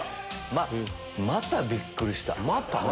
まぁ。またびっくりしたの？